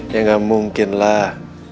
ya gak mungkin lah